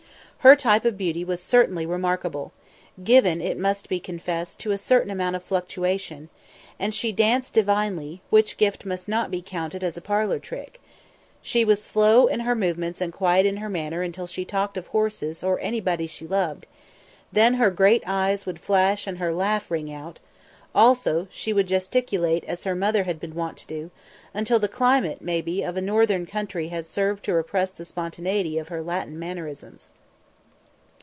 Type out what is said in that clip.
Her type of beauty was certainly remarkable given, it must be confessed, to a certain amount of fluctuation and she danced divinely, which gift must not be counted as a parlour trick; she was slow in her movements and quiet in her manner until she talked of horses or anybody she loved; then her great eyes would flash and her laugh ring out, also she would gesticulate as her mother had been wont to do, until the climate, maybe, of a northern country had served to repress the spontaneity of her Latin mannerisms.